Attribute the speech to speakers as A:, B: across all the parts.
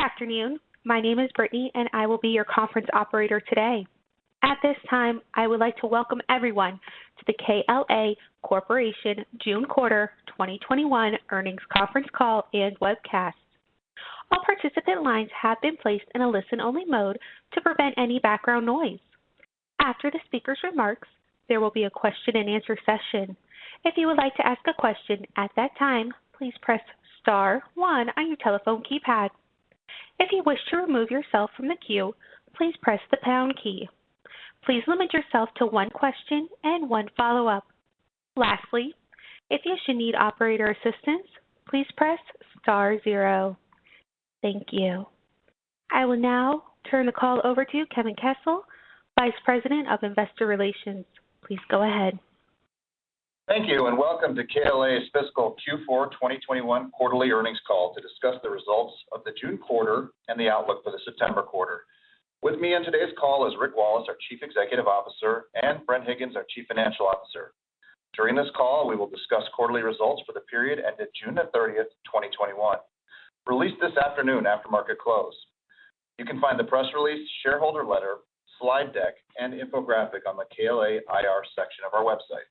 A: Good afternoon. My name is Brittany, and I will be your conference operator today. At this time, I would like to welcome everyone to the KLA Corporation June Quarter 2021 Earnings Conference Call and Webcast. All participant lines have been placed in a listen-only mode to prevent any background noise. After the speaker's remarks, there will be a question and answer session. If you would like to ask a question at that time, please press star one on your telephone keypad. If you wish to remove yourself from the queue, please press the pound key. Please limit yourself to one question and one follow-up. Lastly, if you should need operator assistance, please press star 0. Thank you. I will now turn the call over to Kevin Kessel, Vice President of Investor Relations. Please go ahead.
B: Thank you. Welcome to KLA's fiscal Q4 2021 quarterly earnings call to discuss the results of the June quarter and the outlook for the September quarter. With me on today's call is Rick Wallace, our Chief Executive Officer, and Bren Higgins, our Chief Financial Officer. During this call, we will discuss quarterly results for the period ended June 30, 2021, released this afternoon after market close. You can find the press release, shareholder letter, slide deck, and infographic on the KLA IR section of our website.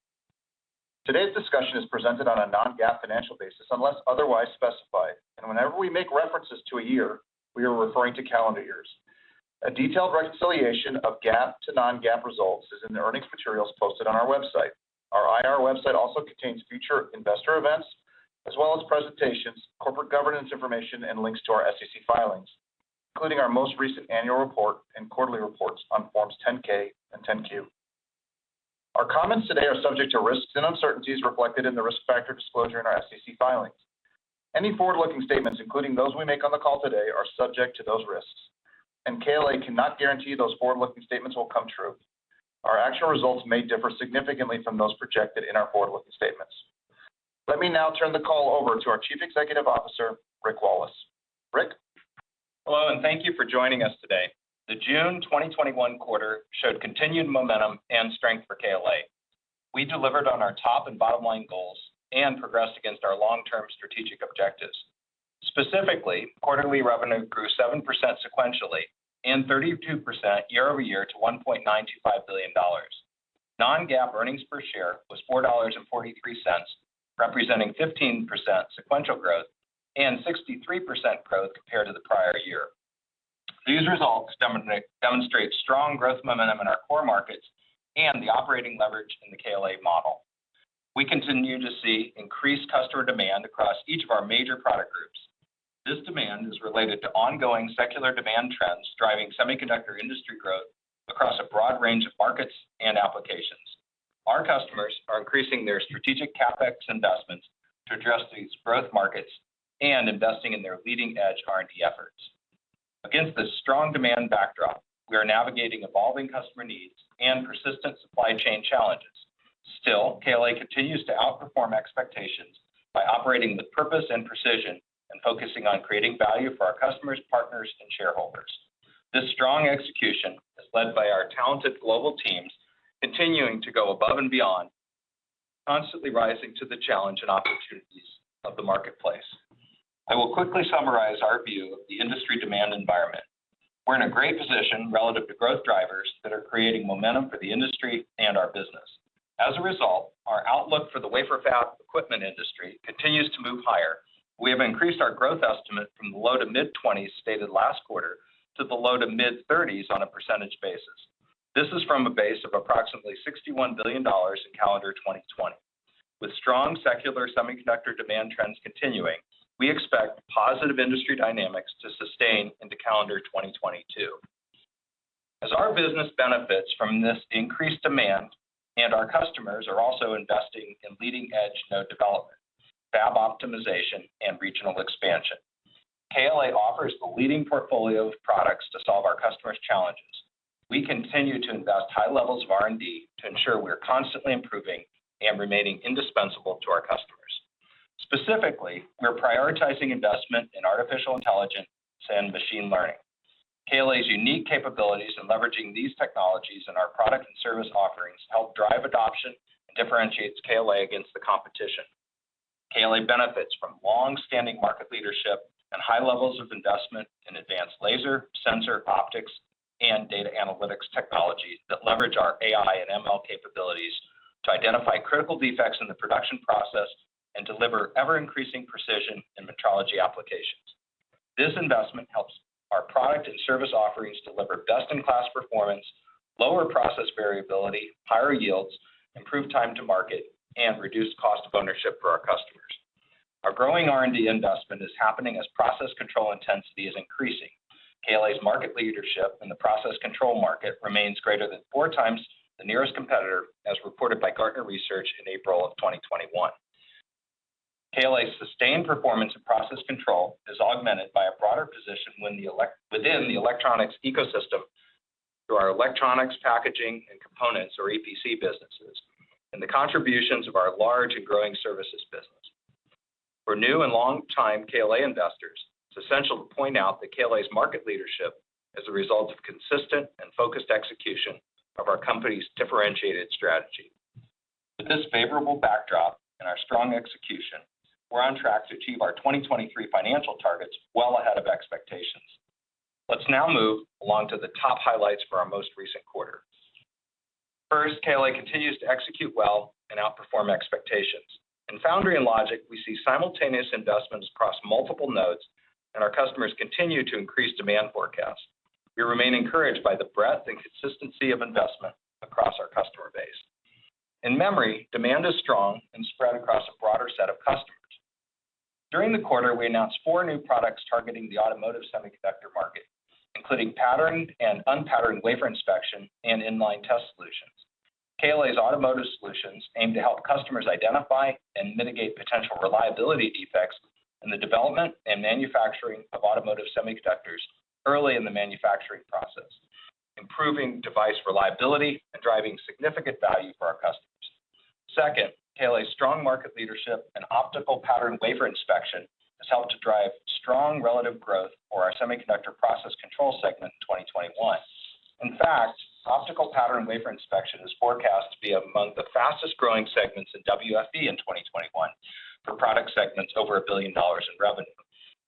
B: Today's discussion is presented on a non-GAAP financial basis unless otherwise specified, and whenever we make references to a year, we are referring to calendar years. A detailed reconciliation of GAAP to non-GAAP results is in the earnings materials posted on our website. Our IR website also contains future investor events, as well as presentations, corporate governance information, and links to our SEC filings, including our most recent annual report and quarterly reports on Forms 10-K and 10-Q. Our comments today are subject to risks and uncertainties reflected in the risk factor disclosure in our SEC filings. Any forward-looking statements, including those we make on the call today, are subject to those risks, and KLA cannot guarantee those forward-looking statements will come true. Our actual results may differ significantly from those projected in our forward-looking statements. Let me now turn the call over to our Chief Executive Officer, Rick Wallace. Rick?
C: Hello, thank you for joining us today. The June 2021 quarter showed continued momentum and strength for KLA. We delivered on our top and bottom line goals and progressed against our long-term strategic objectives. Specifically, quarterly revenue grew seven percent sequentially and 32% year over year t- $1.925 billion. Non-GAAP earnings per share was $4.43, representing 15% sequential growth and 63% growth compared to the prior year. These results demonstrate strong growth momentum in our core markets and the operating leverage in the KLA model. We continue to see increased customer demand across each of our major product groups. This demand is related to ongoing secular demand trends driving semiconductor industry growth across a broad range of markets and applications. Our customers are increasing their strategic CapEx investments to address these growth markets and investing in their leading-edge R&D efforts. Against this strong demand backdrop, we are navigating evolving customer needs and persistent supply chain challenges. Still, KLA continues to outperform expectations by operating with purpose and precision and focusing on creating value for our customers, partners, and shareholders. This strong execution is led by our talented global teams continuing to go above and beyond, constantly rising to the challenge and opportunities of the marketplace. I will quickly summarize our view of the industry demand environment. We're in a great position relative to growth drivers that are creating momentum for the industry and our business. As a result, our outlook for the wafer fab equipment industry continues to move higher. We have increased our growth estimate from the low to mid-20s stated last quarter to the low to mid-30s on a percentage basis. This is from a base of approximately $61 billion in calendar 2020. With strong secular semiconductor demand trends continuing, we expect positive industry dynamics to sustain into calendar 2022. As our business benefits from this increased demand and our customers are also investing in leading edge node development, fab optimization, and regional expansion, KLA offers the leading portfolio of products to solve our customers' challenges. We continue to invest high levels of R&D to ensure we are constantly improving and remaining indispensable to our customers. Specifically, we are prioritizing investment in artificial intelligence and machine learning. KLA's unique capabilities in leveraging these technologies in our product and service offerings help drive adoption and differentiates KLA against the competition. KLA benefits from long standing market leadership and high levels of investment in advanced laser, sensor, optics, and data analytics technologies that leverage our AI and ML capabilities to identify critical defects in the production process and deliver ever-increasing precision in metrology applications. This investment helps our product and service offerings deliver best in class performance, lower process variability, higher yields, improved time to market, and reduced cost of ownership for our customers. Our growing R&D investment is happening as process control intensity is increasing. KLA's market leadership in the process control market remains greater than four times the nearest competitor, as reported by Gartner Research in April of 2021. KLA's sustained performance in process control is augmented by a broader position within the electronics ecosystem through our electronics, packaging, and components, or EPC, businesses, and the contributions of our large and growing services business. For new and longtime KLA investors, it's essential to point out that KLA's market leadership is a result of consistent and focused execution. With this favorable backdrop and our strong execution, we're on track to achieve our 2023 financial targets well ahead of expectations. Let's now move along to the top highlights for our most recent quarter. First, KLA continues to execute well and outperform expectations. In foundry and logic, we see simultaneous investments across multiple nodes, and our customers continue to increase demand forecasts. We remain encouraged by the breadth and consistency of investment across our customer base. In memory, demand is strong and spread across a broader set of customers. During the quarter, we announced four new products targeting the automotive semiconductor market, including pattern and unpatterned wafer inspection, and in-line test solutions. KLA's automotive solutions aim to help customers identify and mitigate potential reliability defects in the development and manufacturing of automotive semiconductors early in the manufacturing process, improving device reliability and driving significant value for our customers. Second, KLA's strong market leadership and optical pattern wafer inspection has helped to drive strong relative growth for our semiconductor process control segment in 2021. Optical pattern wafer inspection is forecast to be among the fastest-growing segments in WFE in 2021 for product segments over $1 billion in revenue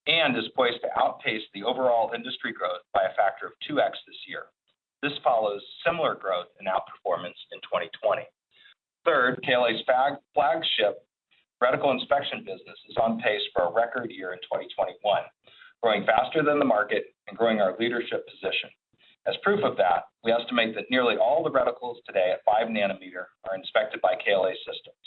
C: and is poised to outpace the overall industry growth by a factor of 2x this year. This follows similar growth and outperformance in 2020. Third, KLA's flagship reticle inspection business is on pace for a record year in 2021, growing faster than the market and growing our leadership position. As proof of that, we estimate that nearly all the reticles today at five nanometer are inspected by KLA systems.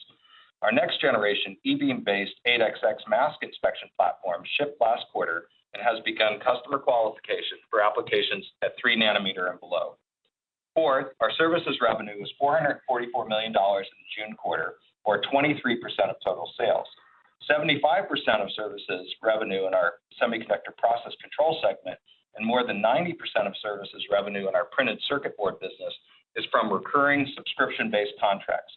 C: Our next generation E-beam-based 8XX mask inspection platform shipped last quarter and has begun customer qualification for applications at three nanometer and below. Fourth, our services revenue was $444 million in the June quarter, or 23% of total sales, 75% of services revenue in our semiconductor process control segment, and more than 90% of services revenue in our printed circuit board business is from recurring subscription based contracts.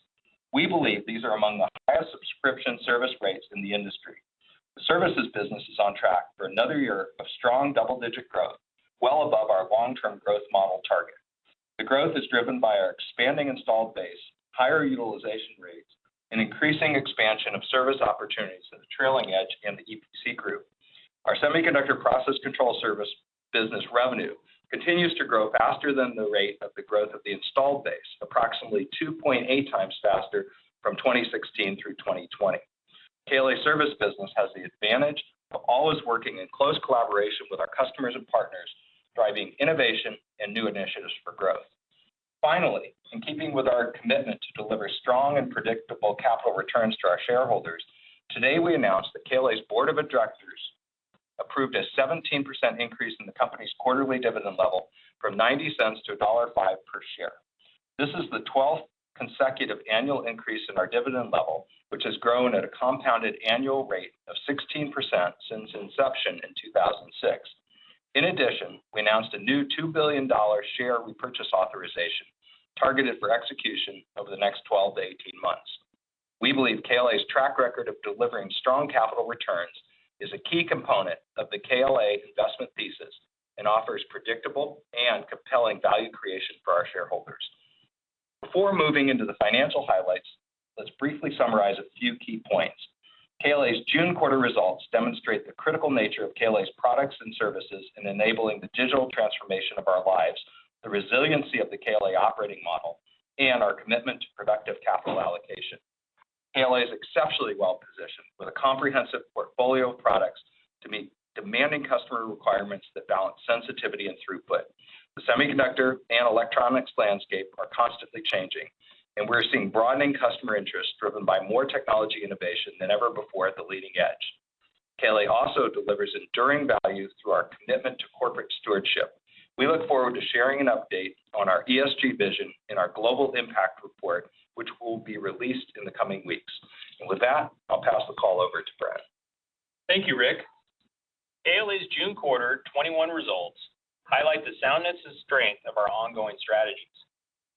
C: We believe these are among the highest subscription service rates in the industry. The services business is on track for another year of strong double digit growth, well above our long-term growth model target. The growth is driven by our expanding installed base, higher utilization rates, and increasing expansion of service opportunities in the trailing edge and the EPC group. Our semiconductor process control service business revenue continues to grow faster than the rate of the growth of the installed base, approximately 2.8x faster from 2016 through 2020. KLA service business has the advantage of always working in close collaboration with our customers and partners, driving innovation and new initiatives for growth. Finally, in keeping with our commitment to deliver strong and predictable capital returns to our shareholders, today we announced that KLA's board of directors approved a 17% increase in the company's quarterly dividend level from $0.90 - $1.05 per share. This is the 12th consecutive annual increase in our dividend level, which has grown at a compounded annual rate of 16% since inception in 2006. In addition, we announced a new $2 billion share repurchase authorization targeted for execution over the next 12 - 18 months. We believe KLA's track record of delivering strong capital returns is a key component of the KLA investment thesis and offers predictable and compelling value creation for our shareholders. Before moving into the financial highlights, let's briefly summarize a few key points. KLA's June quarter results demonstrate the critical nature of KLA's products and services in enabling the digital transformation of our lives, the resiliency of the KLA operating model, and our commitment to productive capital allocation. KLA is exceptionally well-positioned with a comprehensive portfolio of products to meet demanding customer requirements that balance sensitivity and throughput. The semiconductor and electronics landscape are constantly changing, and we're seeing broadening customer interest driven by more technology innovation than ever before at the leading edge. KLA also delivers enduring value through our commitment to corporate stewardship. We look forward to sharing an update on our ESG vision in our global impact report, which will be released in the coming weeks. With that, I'll pass the call over to Bren.
D: Thank you, Rick. KLA's June quarter 2021 results highlight the soundness and strength of our ongoing strategies.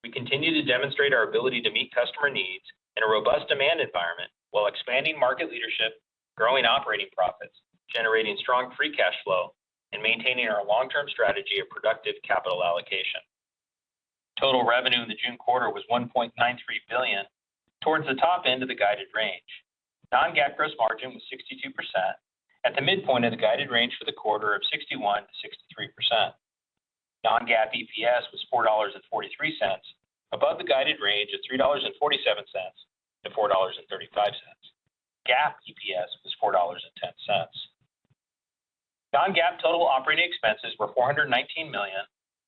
D: We continue to demonstrate our ability to meet customer needs in a robust demand environment while expanding market leadership, growing operating profits, generating strong free cash flow, and maintaining our long-term strategy of productive capital allocation. Total revenue in the June quarter was $1.93 billion, towards the top end of the guided range. non-GAAP gross margin was 62%, at the midpoint of the guided range for the quarter of 61%-63%. non-GAAP EPS was $4.43, above the guided range of $3.47-$4.35. GAAP EPS was $4.10. non-GAAP total operating expenses were $419 million,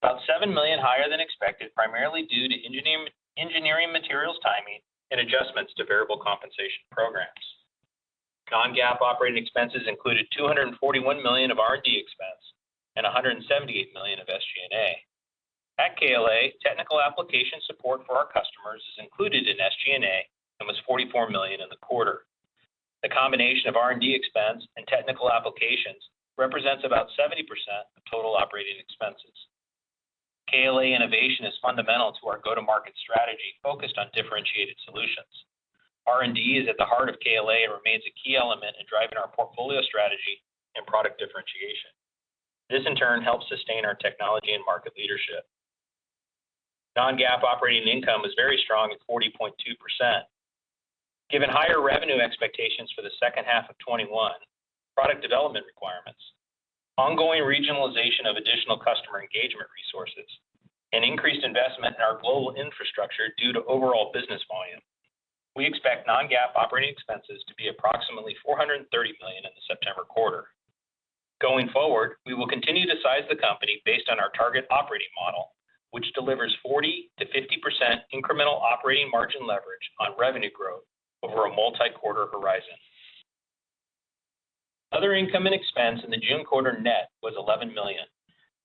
D: about $7 million higher than expected, primarily due to engineering materials timing and adjustments to variable compensation programs. non-GAAP operating expenses included $241 million of R&D expense and $178 million of SG&A. At KLA, technical application support for our customers is included in SG&A and was $44 million in the quarter. The combination of R&D expense and technical applications represents about 70% of total operating expenses. KLA innovation is fundamental to our go to market strategy, focused on differentiated solutions. R&D is at the heart of KLA and remains a key element in driving our portfolio strategy and product differentiation. This in turn helps sustain our technology and market leadership. Non-GAAP operating income was very strong at 40.2%. Given higher revenue expectations for the second half of 2021, product development requirements, ongoing regionalization of additional customer engagement resources, and increased investment in our global infrastructure due to overall business volume, we expect non-GAAP operating expenses to be approximately $430 million in the September quarter. Going forward, we will continue to size the company based on our target operating model, which delivers 40%-50% incremental operating margin leverage on revenue growth over a multi-quarter horizon. Other income and expense in the June quarter net was $11 million,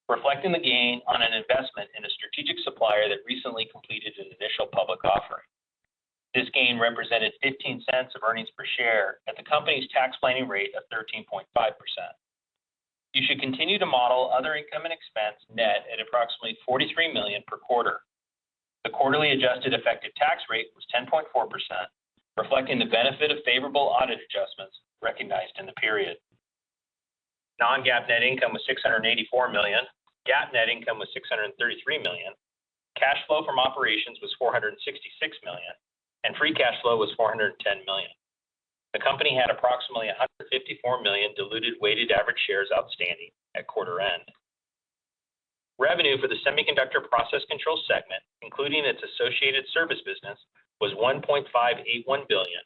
D: reflecting the gain on an investment in a strategic supplier that recently completed its initial public offering. This gain represented $0.15 of earnings per share at the company's tax planning rate of 13.5%. You should continue to model other income and expense net at approximately $43 million per quarter. The quarterly adjusted effective tax rate was 10.4%, reflecting the benefit of favorable audit adjustments recognized in the period. Non-GAAP net income was $684 million, GAAP net income was $633 million, cash flow from operations was $466 million, and free cash flow was $410 million. The company had approximately 154 million diluted weighted average shares outstanding at quarter end. Revenue for the Semiconductor Process Control segment, including its associated service business, was $1.581 billion,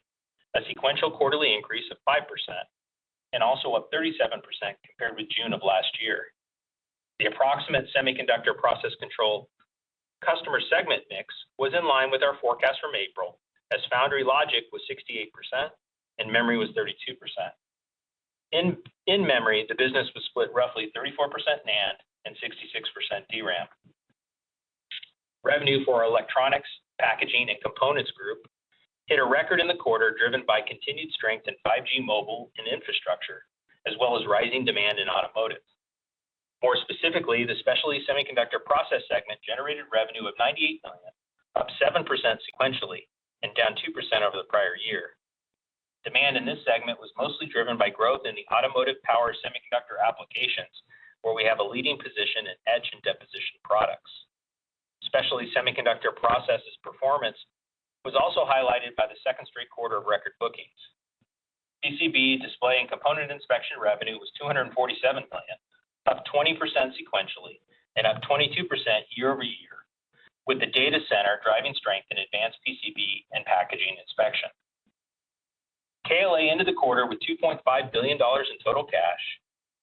D: a sequential quarterly increase of five percent, and also up 37% compared with June of last year. The approximate Semiconductor Process Control customer segment mix was in line with our forecast from April, as foundry logic was 68% and memory was 32%. In memory, the business was split roughly 34% NAND and 66% DRAM. Revenue for our Electronics, Packaging, and Components group hit a record in the quarter, driven by continued strength in 5G mobile and infrastructure, as well as rising demand in automotive. More specifically, the specialty semiconductor process segment generated revenue of $98 million, up seven percent sequentially and down two percent over the prior year. Demand in this segment was mostly driven by growth in the automotive power semiconductor applications, where we have a leading position in etch and deposition products. Specialty semiconductor processes performance was also highlighted by the straight Q2 of record bookings. PCB display and component inspection revenue was $247 million, up 20% sequentially and up 22% year-over-year, with the data center driving strength in advanced PCB and packaging inspection. KLA ended the quarter with $2.5 billion in total cash,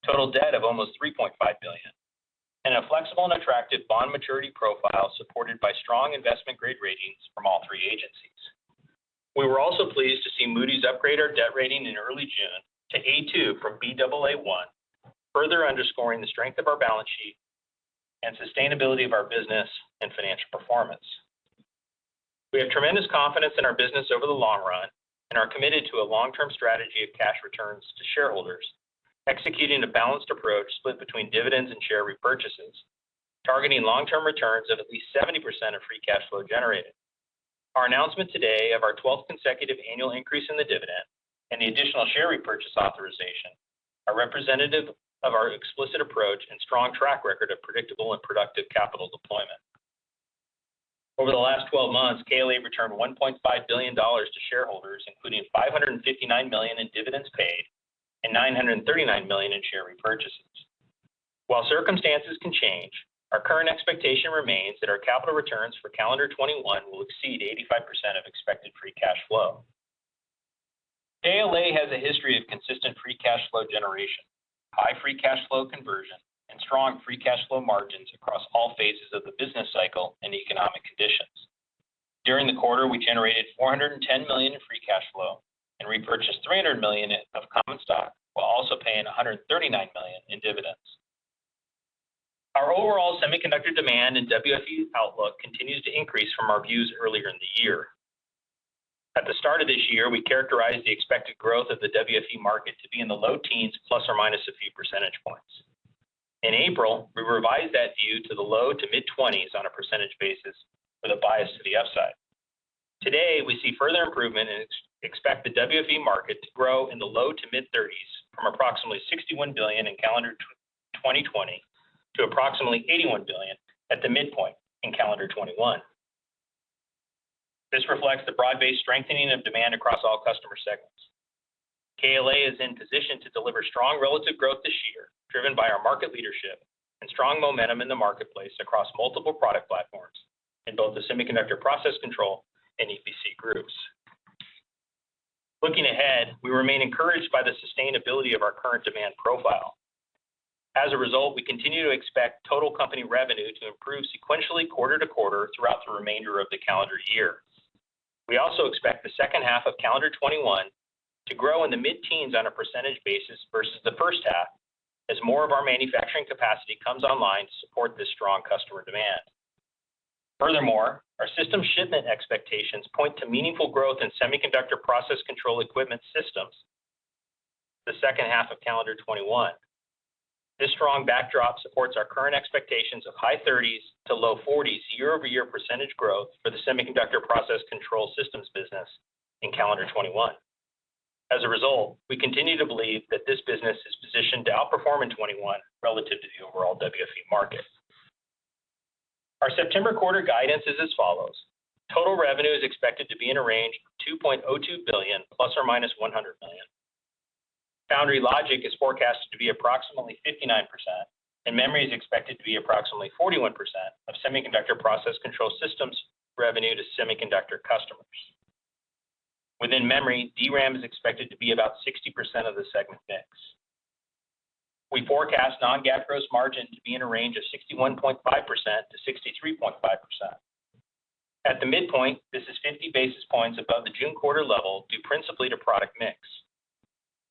D: total debt of almost $3.5 billion, and a flexible and attractive bond maturity profile supported by strong investment-grade ratings from all three agencies. We were also pleased to see Moody's upgrade our debt rating in early June to A2 from Baa1, further underscoring the strength of our balance sheet and sustainability of our business and financial performance. We have tremendous confidence in our business over the long run and are committed to a long-term strategy of cash returns to shareholders, executing a balanced approach split between dividends and share repurchases, targeting long-term returns of at least 70% of free cash flow generated. Our announcement today of our 12th consecutive annual increase in the dividend and the additional share repurchase authorization are representative of our explicit approach and strong track record of predictable and productive capital deployment. Over the last 12 months, KLA returned $1.5 billion to shareholders, including $559 million in dividends paid and $939 million in share repurchases. While circumstances can change, our current expectation remains that our capital returns for calendar 2021 will exceed 85% of expected free cash flow. KLA has a history of consistent free cash flow generation, high free cash flow conversion, and strong free cash flow margins across all phases of the business cycle and economic conditions. During the quarter, we generated $410 million in free cash flow and repurchased $300 million of common stock while also paying $139 million in dividends. Our overall semiconductor demand and WFE outlook continues to increase from our views earlier in the year. At the start of this year, we characterized the expected growth of the WFE market to be in the low teens, plus or minus a few percentage points. In April, we revised that view to the low to mid-20s on a percentage basis with a bias to the upside. Today, we see further improvement and expect the WFE market to grow in the low to mid-30s from approximately $61 billion in calendar 2020 to approximately $81 billion at the midpoint in calendar 2021. This reflects the broad-based strengthening of demand across all customer segments. KLA is in position to deliver strong relative growth this year, driven by our market leadership and strong momentum in the marketplace across multiple product platforms in both the Semiconductor Process Control and EPC groups. Looking ahead, we remain encouraged by the sustainability of our current demand profile. As a result, we continue to expect total company revenue to improve sequentially quarter to quarter throughout the remainder of the calendar year. We also expect the second half of calendar 2021 to grow in the mid-teens on a percentage basis versus the first half, as more of our manufacturing capacity comes online to support this strong customer demand. Furthermore, our system shipment expectations point to meaningful growth in semiconductor process control equipment systems the second half of calendar 2021. This strong backdrop supports our current expectations of high 30s - low 40s year-over-year percentage growth for the semiconductor process control systems in calendar 2021. We continue to believe that this business is positioned to outperform in 2021 relative to the overall WFE market. Our September quarter guidance is as follows. Total revenue is expected to be in a range of $2.02 billion ± $100 million. Foundry logic is forecasted to be approximately 59%, and memory is expected to be approximately 41% of Semiconductor process control systems revenue to semiconductor customers. Within memory, DRAM is expected to be about 60% of the segment mix. We forecast non-GAAP gross margin to be in a range of 61.5%-63.5%. At the midpoint, this is 50 basis points above the June quarter level, due principally to product mix.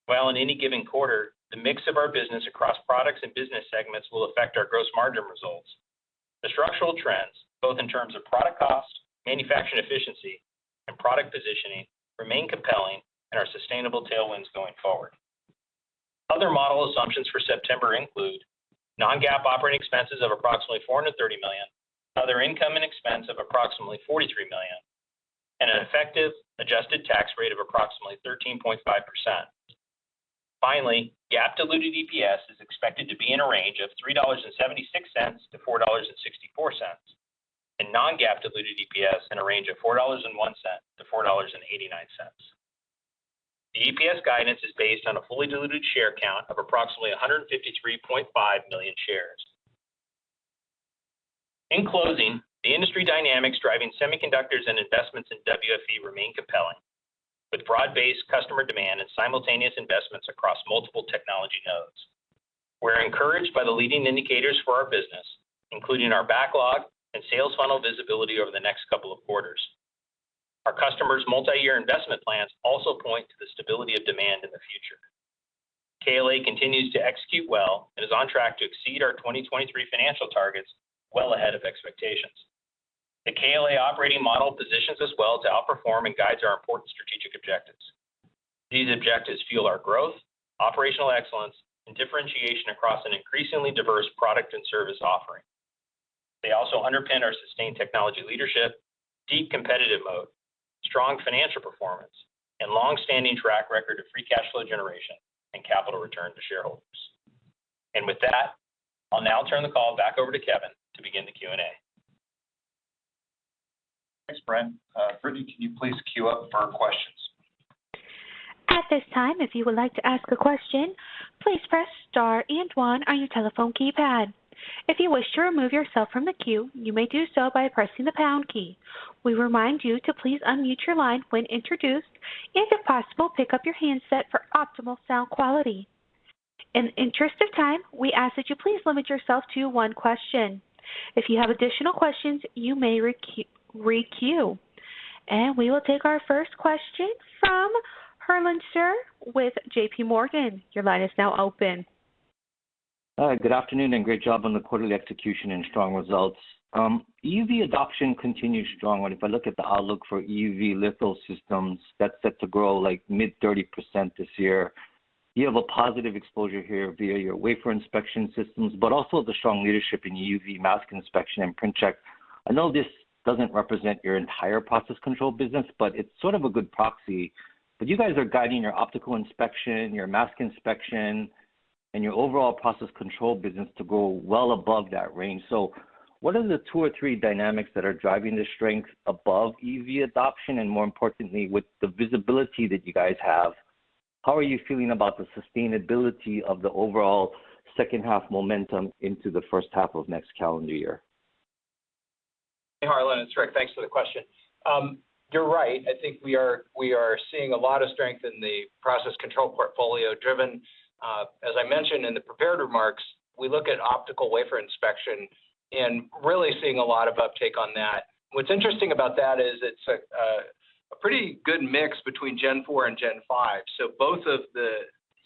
D: While in any given quarter, the mix of our business across products and business segments will affect our gross margin results, the structural trends, both in terms of product cost, manufacturing efficiency, and product positioning, remain compelling and are sustainable tailwinds going forward. Other model assumptions for September include non-GAAP operating expenses of approximately $430 million, other income and expense of approximately $43 million, and an effective adjusted tax rate of approximately 13.5%. Finally, GAAP diluted EPS is expected to be in a range of $3.76 - $4.64, and non-GAAP diluted EPS in a range of $4.01 - $4.89. The EPS guidance is based on a fully diluted share count of approximately 153.5 million shares. In closing, the industry dynamics driving semiconductors and investments in WFE remain compelling, with broad-based customer demand and simultaneous investments across multiple technology nodes. We're encouraged by the leading indicators for our business, including our backlog and sales funnel visibility over the next couple of quarters. Our customers' multi-year investment plans also point to the stability of demand in the future. KLA continues to execute well and is on track to exceed our 2023 financial targets well ahead of expectations. The KLA operating model positions us well to outperform and guides our important strategic objectives. These objectives fuel our growth, operational excellence, and differentiation across an increasingly diverse product and service offering. They also underpin our sustained technology leadership, deep competitive moat, strong financial performance, and long standing track record of free cash flow generation and capital return to shareholders. With that, I'll now turn the call back over to Kevin to begin the Q&A.
C: Thanks, Bren Higgins. Brittany, can you please queue up for questions?
A: At this time, if you would like to ask a question, please press star and one on your telephone keypad. If you wish to remove yourself from the queue, you may do so by pressing the pound key. We remind you to please unmute your line when introduced, and if possible, pick up your handset for optimal sound quality. In the interest of time, we ask that you please limit yourself to one question. If you have additional questions, you may re-queue. We will take our first question from Harlan Sur with J.P. Morgan. Your line is now open.
E: Hi, good afternoon and great job on the quarterly execution and strong results. EUV adoption continues strong, and if I look at the outlook for EUV litho systems, that's set to grow like mid-30% this year. You have a positive exposure here via your wafer inspection systems, but also the strong leadership in EUV mask inspection and PrintCheck. I know this doesn't represent your entire process control business, it's sort of a good proxy. You guys are guiding your optical inspection, your mask inspection, and your overall process control business to grow well above that range. What are the two or three dynamics that are driving the strength above EUV adoption, More importantly, with the visibility that you guys have, how are you feeling about the sustainability of the overall second half momentum into the first half of next calendar year?
C: Hey, Harlan, it's Rick. Thanks for the question. You're right. I think we are seeing a lot of strength in the process control portfolio driven, as I mentioned in the prepared remarks, we look at optical wafer inspection and really seeing a lot of uptake on that. What's interesting about that is it's a pretty good mix between Gen4 and Gen5. Both of the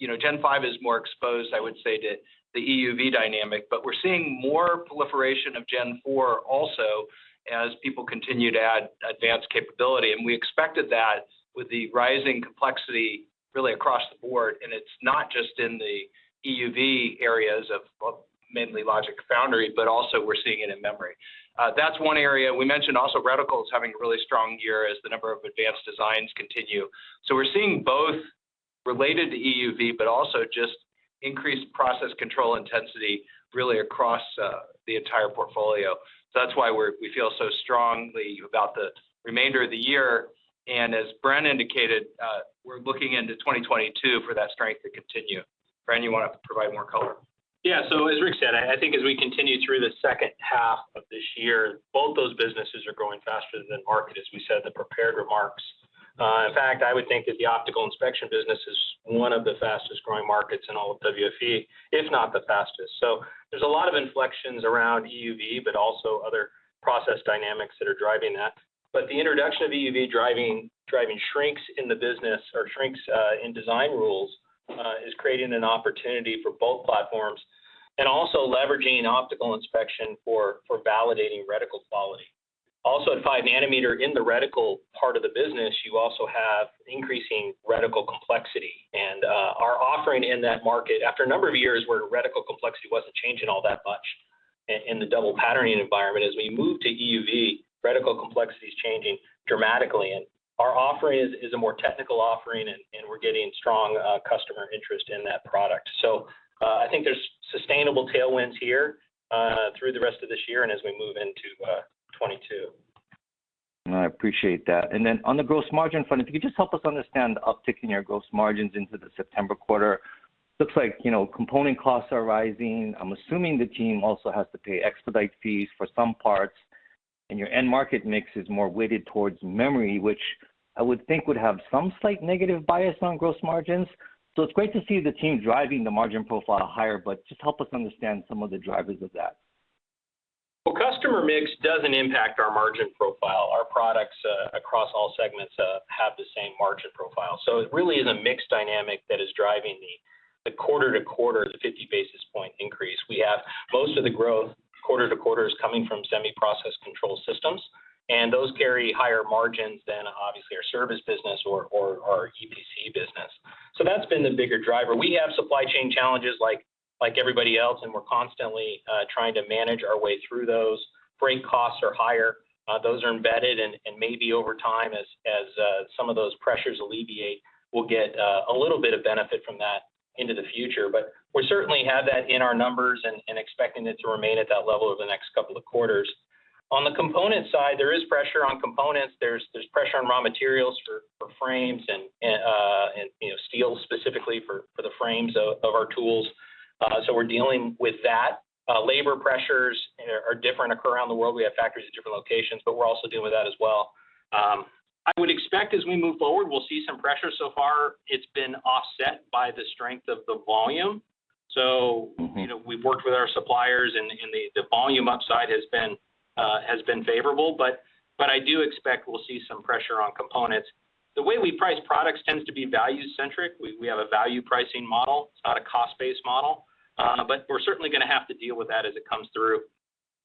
C: Gen5 is more exposed, I would say, to the EUV dynamic, but we're seeing more proliferation of Gen4 also as people continue to add advanced capability. We expected that with the rising complexity really across the board, and it's not just in the EUV areas of mainly logic foundry, but also we're seeing it in memory. That's one area. We mentioned also reticles having a really strong year as the number of advanced designs continue. We're seeing both related to EUV, but also just increased process control intensity really across the entire portfolio. That's why we feel so strongly about the remainder of the year. As Bren indicated, we're looking into 2022 for that strength to continue. Bren, you want to provide more color?
D: Yeah. As Rick said, I think as we continue through the second half of this year, both those businesses are growing faster than market, as we said in the prepared remarks. In fact, I would think that the optical inspection business is one of the fastest growing markets in all of WFE, if not the fastest. There's a lot of inflections around EUV, but also other process dynamics that are driving that. The introduction of EUV driving shrinks in the business or shrinks in design rules, is creating an opportunity for both platforms and also leveraging optical inspection for validating reticle quality. Also at five nanometer in the reticle part of the business, you also have increasing reticle complexity. Our offering in that market, after a number of years where reticle complexity wasn't changing all that much. In the double patterning environment, as we move to EUV, reticle complexity is changing dramatically, and our offering is a more technical offering, and we're getting strong customer interest in that product. I think there's sustainable tailwinds here through the rest of this year and as we move into 2022.
E: No, I appreciate that. On the gross margin front, if you could just help us understand the uptick in your gross margins into the September quarter. Looks like component costs are rising. I'm assuming the team also has to pay expedite fees for some parts, and your end market mix is more weighted towards memory, which I would think would have some slight negative bias on gross margins. It's great to see the team driving the margin profile higher, but just help us understand some of the drivers of that.
D: Well, customer mix doesn't impact our margin profile. Our products, across all segments, have the same margin profile. It really is a mix dynamic that is driving the quarter-to-quarter, the 50 basis point increase. We have most of the growth quarter-to-quarter is coming from semi-process control systems, and those carry higher margins than, obviously, our service business or our EPC business. That's been the bigger driver. We have supply chain challenges like everybody else, and we're constantly trying to manage our way through those. Freight costs are higher. Those are embedded and maybe over time as some of those pressures alleviate, we'll get a little bit of benefit from that into the future. We certainly have that in our numbers and expecting it to remain at that level over the next couple of quarters. On the component side, there is pressure on components. There's pressure on raw materials for frames and steel specifically for the frames of our tools. We're dealing with that. Labor pressures are different around the world. We have factories in different locations, we're also dealing with that as well. I would expect as we move forward, we'll see some pressure. So far, it's been offset by the strength of the volume. We've worked with our suppliers, and the volume upside has been favorable. I do expect we'll see some pressure on components. The way we price products tends to be value-centric. We have a value pricing model. It's not a cost based model. We're certainly going to have to deal with that as it comes through.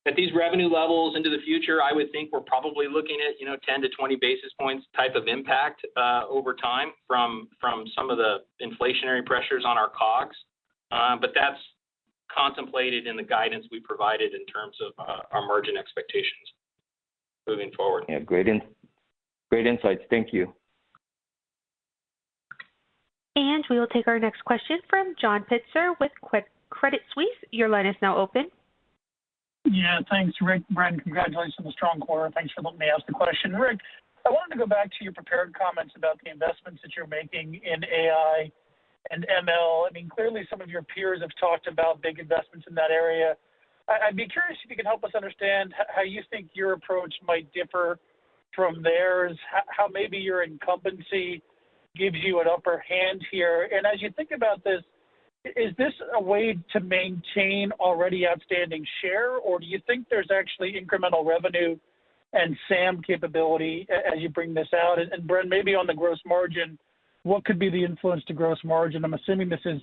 D: At these revenue levels into the future, I would think we're probably looking at 10 - 20 basis points type of impact over time from some of the inflationary pressures on our COGS. That's contemplated in the guidance we provided in terms of our margin expectations moving forward.
E: Yeah. Great insights. Thank you.
A: We will take our next question from John Pitzer with Credit Suisse. Your line is now open.
F: Yeah. Thanks, Rick. Bren, congratulations on the strong quarter, and thanks for letting me ask the question. Rick, I wanted to go back to your prepared comments about the investments that you're making in AI and ML. Clearly some of your peers have talked about big investments in that area. I'd be curious if you could help us understand how you think your approach might differ from theirs, how maybe your incumbency gives you an upper hand here. As you think about this, is this a way to maintain already outstanding share, or do you think there's actually incremental revenue and SAM capability as you bring this out? Bren, maybe on the gross margin, what could be the influence to gross margin? I'm assuming this is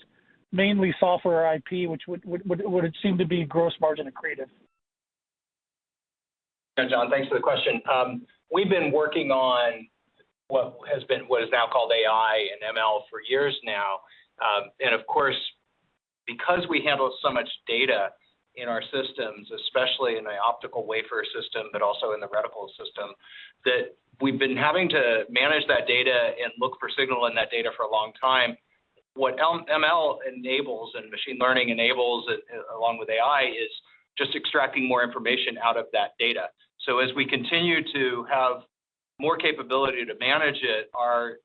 F: mainly software IP, which would seem to be gross margin accretive.
C: Yeah, John, thanks for the question. We've been working on what is now called AI and ML for years now. Of course, because we handle so much data in our systems, especially in the optical wafer system, but also in the reticle system, that we've been having to manage that data and look for signal in that data for a long time. What ML enables, and machine learning enables, along with AI, is just extracting more information out of that data. As we continue to have more capability to manage it, our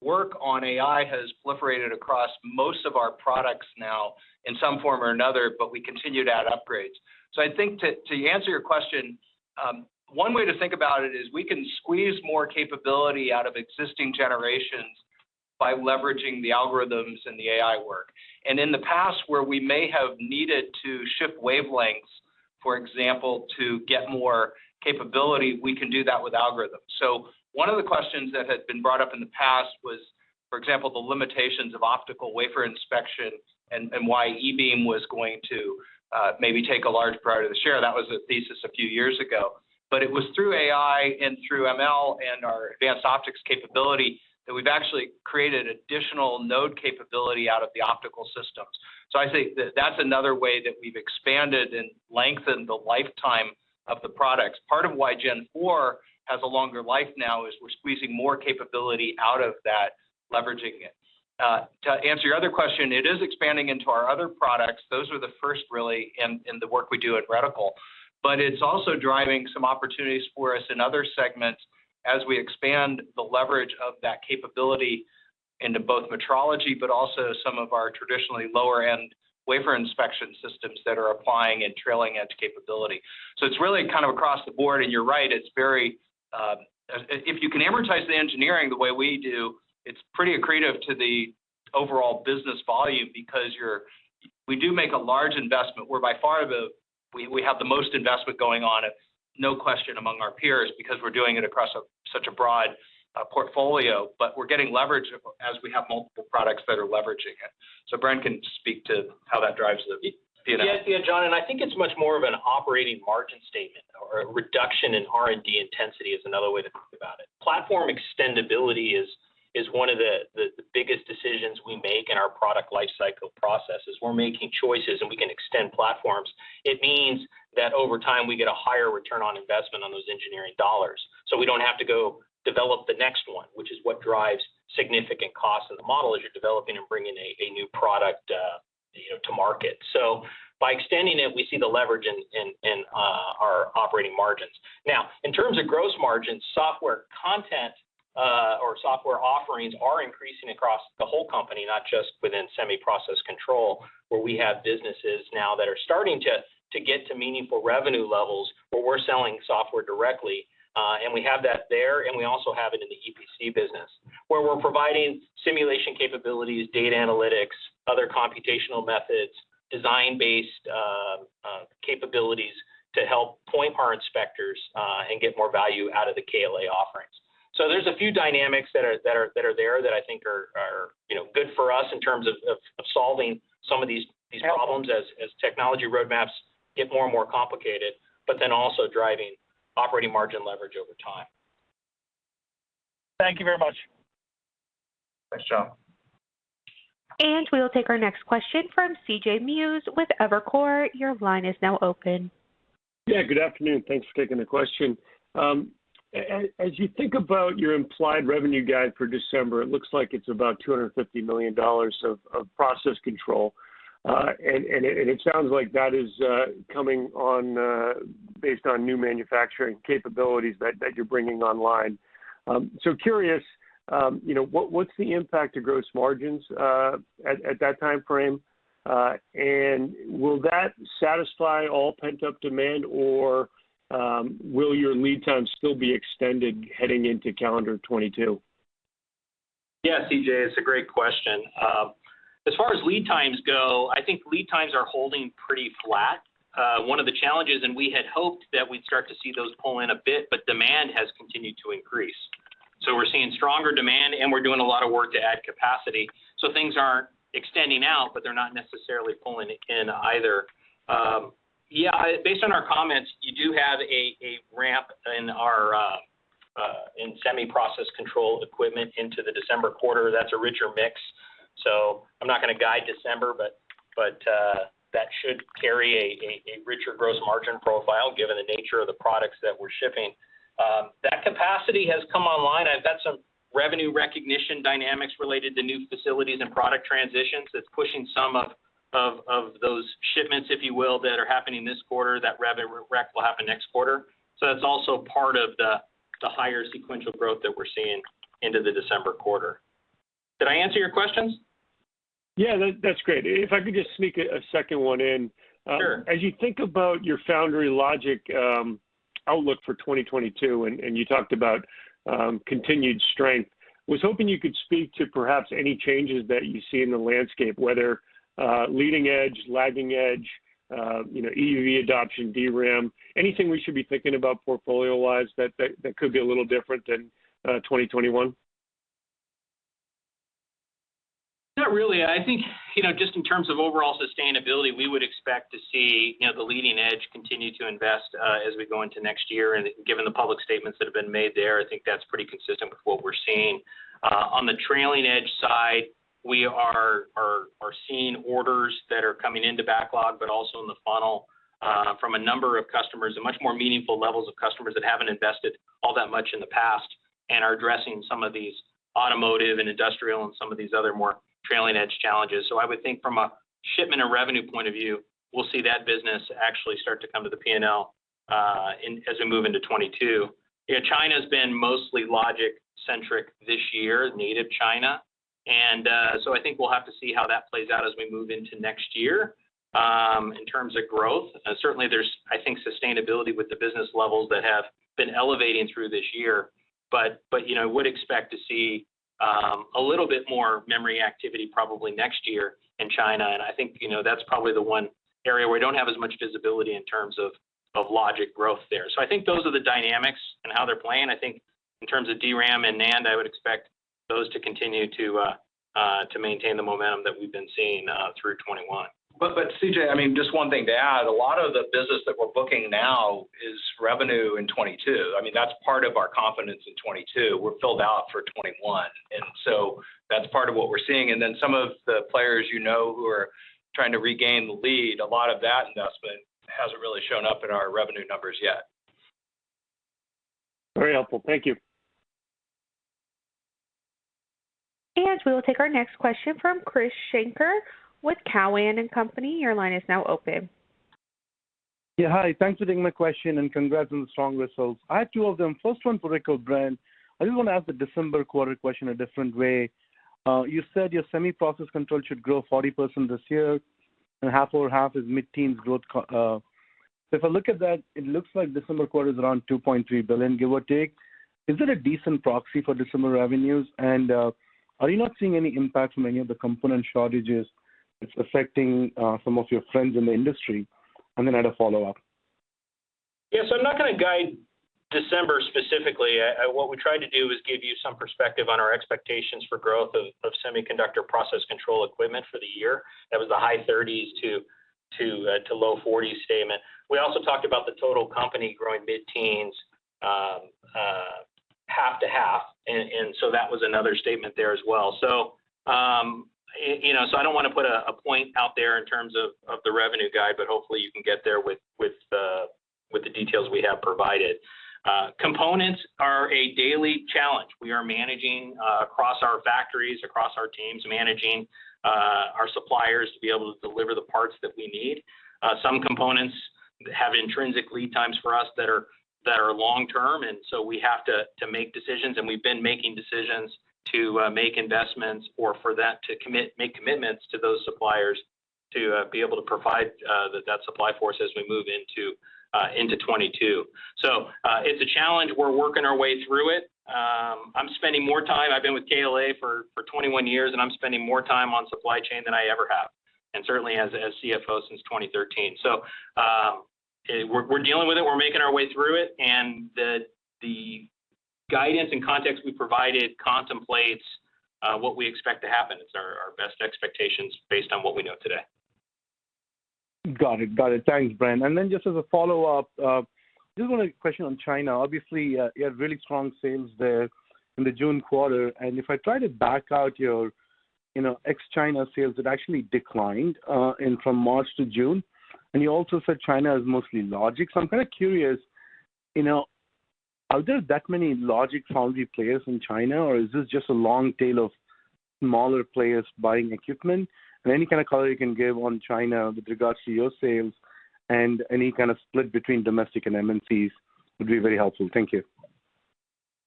C: work on AI has proliferated across most of our products now in some form or another, but we continue to add upgrades. I think to answer your question, one way to think about it is we can squeeze more capability out of existing generations by leveraging the algorithms and the AI work.
D: In the past, where we may have needed to shift wavelengths, for example, to get more capability, we can do that with algorithms. One of the questions that had been brought up in the past was, for example, the limitations of optical wafer inspection and why E-beam was going to maybe take a large part of the share. That was a thesis a few years ago. It was through AI and through ML and our advanced optics capability that we've actually created additional node capability out of the optical systems. I think that that's another way that we've expanded and lengthened the lifetime of the products. Part of why Gen4 has a longer life now is we're squeezing more capability out of that, leveraging it. To answer your other question, it is expanding into our other products. Those were the first really in the work we do at reticle. It's also driving some opportunities for us in other segments as we expand the leverage of that capability into both metrology, but also some of our traditionally lower-end wafer inspection systems that are applying and trailing edge capability. It's really kind of across the board, and you're right, if you can amortize the engineering the way we do, it's pretty accretive to the overall business volume because we do make a large investment. We're by far We have the most investment going on, no question, among our peers, because we're doing it across such a broad portfolio, but we're getting leverage as we have multiple products that are leveraging it. Bren can speak to how that drives the economics. John, I think it's much more of an operating margin statement or a reduction in R&D intensity is another way to think about it. Platform extendibility is. is one of the biggest decisions we make in our product life cycle processes. We're making choices, and we can extend platforms. It means that over time we get a higher return on investment on those engineering dollars, so we don't have to go develop the next one, which is what drives significant cost of the model as you're developing and bringing a new product to market. By extending it, we see the leverage in our operating margins. Now, in terms of gross margins, software content, or software offerings are increasing across the whole company, not just within semi-process control, where we have businesses now that are starting to get to meaningful revenue levels where we're selling software directly. We have that there, and we also have it in the EPC business, where we're providing simulation capabilities, data analytics, other computational methods, design-based capabilities to help point our inspectors, and get more value out of the KLA offerings. There's a few dynamics that are there that I think are good for us in terms of solving some of these problems as technology roadmaps get more and more complicated, but then also driving operating margin leverage over time.
F: Thank you very much.
C: Thanks, John.
A: We will take our next question from C.J. Muse with Evercore. Your line is now open.
G: Yeah, good afternoon. Thanks for taking the question. As you think about your implied revenue guide for December, it looks like it's about $250 million of process control. It sounds like that is coming based on new manufacturing capabilities that you're bringing online. Curious, what's the impact to gross margins at that timeframe, and will that satisfy all pent-up demand, or will your lead time still be extended heading into calendar 2022?
D: CJ, it's a great question. As far as lead times go, I think lead times are holding pretty flat. One of the challenges, we had hoped that we'd start to see those pull in a bit, demand has continued to increase. We're seeing stronger demand, we're doing a lot of work to add capacity. Things aren't extending out, they're not necessarily pulling in either. Based on our comments, you do have a ramp in semi-process control equipment into the December quarter. That's a richer mix. I'm not going to guide December, that should carry a richer gross margin profile given the nature of the products that we're shipping. That capacity has come online. I've got some revenue recognition dynamics related to new facilities and product transitions that's pushing some of those shipments, if you will, that are happening this quarter, that revenue recognition will happen next quarter. That's also part of the higher sequential growth that we're seeing into the December quarter. Did I answer your questions?
G: Yeah. That's great. If I could just sneak a second one in.
D: Sure.
G: As you think about your foundry logic outlook for 2022, and you talked about continued strength, was hoping you could speak to perhaps any changes that you see in the landscape, whether leading edge, lagging edge, EUV adoption, DRAM, anything we should be thinking about portfolio-wise that could be a little different than 2021?
D: Not really. I think, just in terms of overall sustainability, we would expect to see the leading edge continue to invest as we go into next year, and given the public statements that have been made there, I think that's pretty consistent with what we're seeing. On the trailing edge side, we are seeing orders that are coming into backlog, but also in the funnel, from a number of customers, a much more meaningful levels of customers that haven't invested all that much in the past, and are addressing some of these automotive and industrial and some of these other more trailing edge challenges. I would think from a shipment and revenue point of view, we'll see that business actually start to come to the P&L as we move into 2022. China's been mostly logic-centric this year, native China. I think we'll have to see how that plays out as we move into next year in terms of growth. Certainly there's, I think, sustainability with the business levels that have been elevating through this year. I would expect to see a little bit more memory activity probably next year in China, and I think that's probably the one area where we don't have as much visibility in terms of logic growth there. I think those are the dynamics and how they're playing. I think in terms of DRAM and NAND, I would expect those to continue to maintain the momentum that we've been seeing through 2021.
C: CJ, just one thing to add. A lot of the business that we're booking now is revenue in 2022. That's part of our confidence in 2022. We're filled out for 2021, that's part of what we're seeing. Some of the players who are trying to regain the lead, a lot of that investment hasn't really shown up in our revenue numbers yet.
G: Very helpful. Thank you.
A: We will take our next question from Krish Sankar with Cowen and Company. Your line is now open.
H: Yeah. Hi. Thanks for taking my question, congrats on the strong results. I have two of them. First one for Rick or Bren. I just want to ask the December quarter question a different way. You said your semi-process control should grow 40% this year, half over half is mid-teens growth. If I look at that, it looks like December quarter is around $2.3 billion, give or take. Is it a decent proxy for December revenues, are you not seeing any impact from any of the component shortages that's affecting some of your friends in the industry? I had a follow-up.
D: I'm not going to guide December specifically. What we tried to do is give you some perspective on our expectations for growth of semiconductor process control equipment for the year. That was the high 30s - low 40s statement. We also talked about the total company growing mid-teens, half to half. That was another statement there as well. I don't want to put a point out there in terms of the revenue guide, but hopefully you can get there with the details we have provided. Components are a daily challenge. We are managing across our factories, across our teams, managing our suppliers to be able to deliver the parts that we need. Some components have intrinsic lead times for us that are long-term, we have to make decisions, and we've been making decisions to make investments or for that to make commitments to those suppliers to be able to provide that supply for us as we move into 2022. It's a challenge. We're working our way through it. I'm spending more time, I've been with KLA for 21 years, and I'm spending more time on supply chain than I ever have, and certainly as CFO since 2013. We're dealing with it. We're making our way through it, and the guidance and context we provided contemplates what we expect to happen. It's our best expectations based on what we know today.
H: Got it. Thanks, Bren Higgins. I just want to question on China. Obviously, you had really strong sales there in the June quarter, if I try to back out your ex-China sales, it actually declined from March - June, you also said China is mostly logic. I'm kind of curious, are there that many logic foundry players in China, or is this just a long tail of smaller players buying equipment? Any kind of color you can give on China with regards to your sales and any kind of split between domestic and MNCs would be very helpful. Thank you.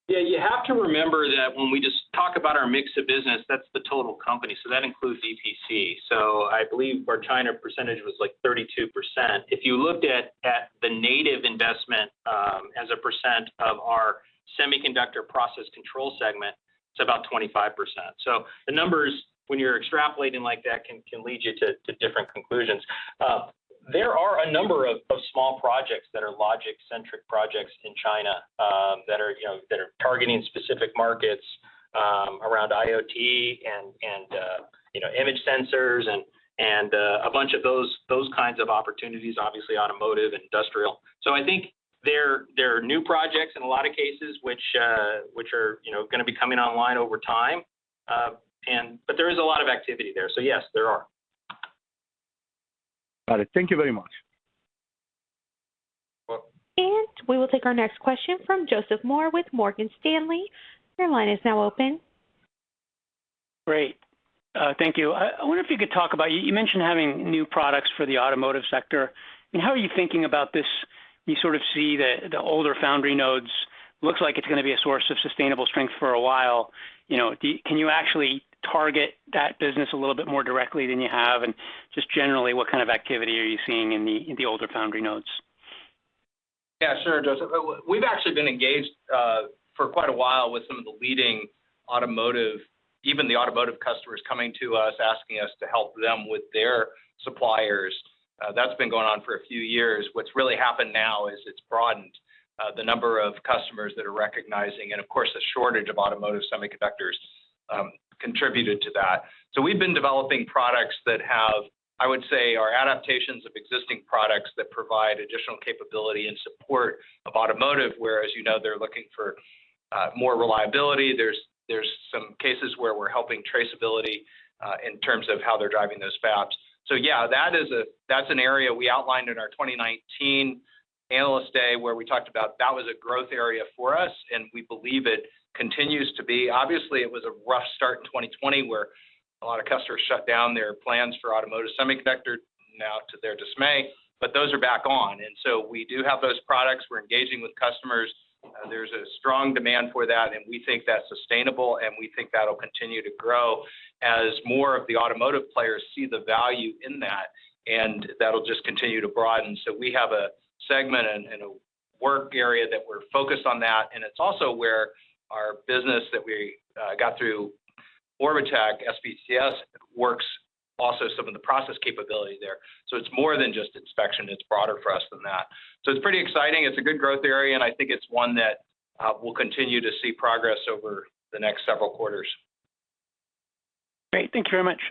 D: Yeah, you have to remember that when we just talk about our mix of business, that is the total company. That includes EPC. I believe our China percentage was, like, 32%. If you looked at the native investment, as a percent of our semiconductor process control segment, it is about 25%. The numbers, when you are extrapolating like that, can lead you to different conclusions. There are a number of small projects that are logic-centric projects in China, that are targeting specific markets, around IoT and image sensors and a bunch of those kinds of opportunities, obviously automotive, industrial. I think there are new projects in a lot of cases, which are going to be coming online over time. There is a lot of activity there. Yes, there are.
H: Got it. Thank you very much.
D: You're welcome.
A: We will take our next question from Joseph Moore with Morgan Stanley. Your line is now open.
I: Great. Thank you. I wonder if you could talk about, you mentioned having new products for the automotive sector. How are you thinking about this, you sort of see the older foundry nodes looks like it's going to be a source of sustainable strength for a while? Can you actually target that business a little bit more directly than you have? Just generally, what kind of activity are you seeing in the older foundry nodes?
D: Yeah, sure, Joseph. We've actually been engaged for quite a while with some of the leading automotive, even the automotive customers coming to us, asking us to help them with their suppliers. That's been going on for a few years. What's really happened now is it's broadened the number of customers that are recognizing, and of course, the shortage of automotive semiconductors contributed to that. We've been developing products that have, I would say, are adaptations of existing products that provide additional capability and support of automotive, whereas you know they're looking for more reliability. There's some cases where we're helping traceability, in terms of how they're driving those fabs. Yeah, that's an area we outlined in our 2019 Analyst Day, where we talked about that was a growth area for us, and we believe it continues to be. Obviously, it was a rough start in 2020, where a lot of customers shut down their plans for automotive semiconductors, now to their dismay, but those are back on. We do have those products. We're engaging with customers. There's a strong demand for that, and we think that's sustainable, and we think that'll continue to grow as more of the automotive players see the value in that, and that'll just continue to broaden. We have a segment and a work area that we're focused on that, and it's also where our business that we got through Orbotech SPTS works also some of the process capability there. It's more than just inspection. It's broader for us than that. It's pretty exciting. It's a good growth area, and I think it's one that we'll continue to see progress over the next several quarters.
I: Great. Thank you very much.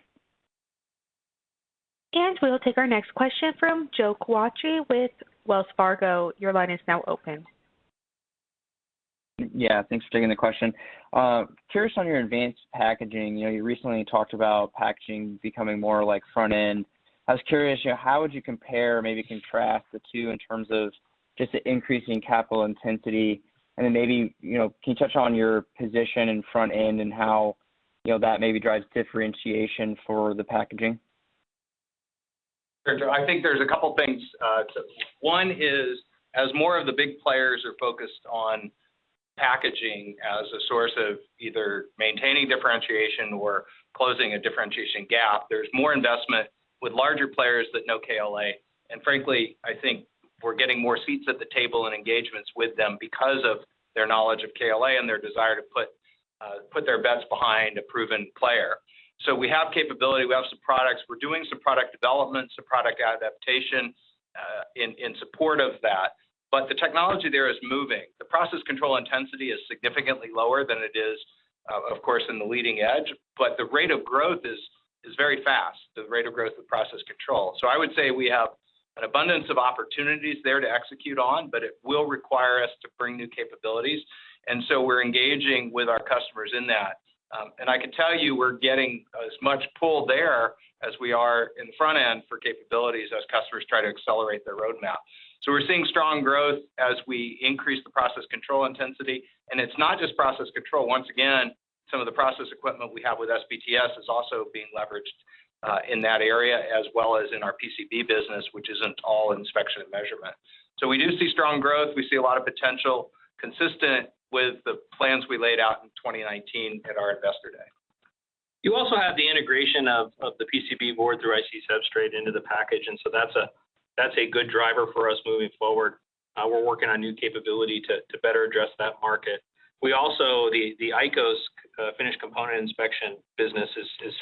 A: We will take our next question from Joseph Quatrochi with Wells Fargo. Your line is now open.
J: Yeah. Thanks for taking the question. Curious on your advanced packaging. You recently talked about packaging becoming more like front-end. I was curious, how would you compare, maybe contrast the two in terms of just the increasing capital intensity? Maybe, can you touch on your position in front-end and how that maybe drives differentiation for the packaging?
D: Sure, Joe. I think there's a couple things. One is, as more of the big players are focused on packaging as a source of either maintaining differentiation or closing a differentiation gap, there's more investment with larger players that know KLA. Frankly, I think we're getting more seats at the table and engagements with them because of their knowledge of KLA and their desire to put their bets behind a proven player. We have capability. We have some products. We're doing some product development, some product adaptation.
C: In support of that. The technology there is moving. The process control intensity is significantly lower than it is, of course, in the leading edge, but the rate of growth is very fast, the rate of growth of process control. I would say we have an abundance of opportunities there to execute on, but it will require us to bring new capabilities. We're engaging with our customers in that. I can tell you, we're getting as much pull there as we are in front end for capabilities as customers try to accelerate their roadmap. We're seeing strong growth as we increase the process control intensity, and it's not just process control. Once again, some of the process equipment we have with SPTS is also being leveraged in that area as well as in our PCB business, which isn't all inspection and measurement. We do see strong growth. We see a lot of potential consistent with the plans we laid out in 2019 at our investor day. You also have the integration of the PCB board through IC substrate into the package. That's a good driver for us moving forward. We're working on new capability to better address that market. The ICOS finished component inspection business is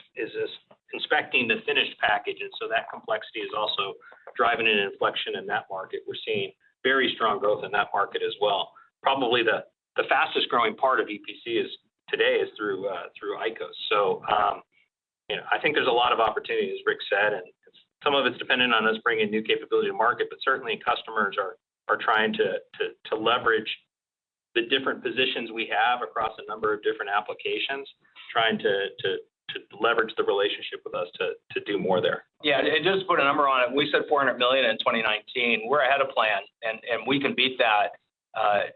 C: inspecting the finished packages. That complexity is also driving an inflection in that market. We're seeing very strong growth in that market as well. Probably the fastest growing part of EPC today is through ICOS.
D: I think there's a lot of opportunity, as Rick said, and some of it's dependent on us bringing new capability to market, but certainly customers are trying to leverage the different positions we have across a number of different applications, trying to leverage the relationship with us to do more there. Yeah, just to put a number on it, we said $400 million in 2019. We're ahead of plan, and we can beat that,